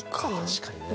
確かにね。